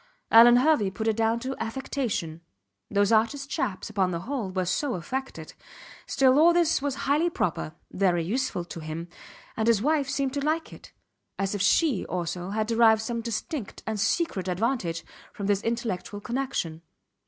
Alvan Hervey put it down to affectation. Those artist chaps, upon the whole, were so affected. Still, all this was highly proper very useful to him and his wife seemed to like it as if she also had derived some distinct and secret advantage from this intellectual connection.